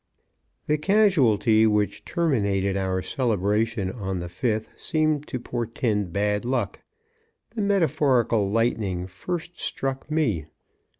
_ The casualty, which terminated our celebration on the fifth, seemed to portend bad luck. The metaphorical lightning first struck me.